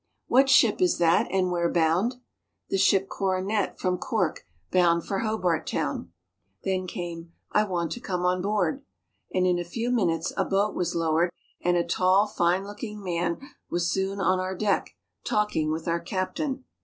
'^What ship is that, and where bound?" ^^The ship Coronet, from Cork, bound for Hobart Town." Then came, '' I want to come on board, '' and in a few minutes a boat was lowered and a tall, fine looking man was soon on our deck talking with our captain.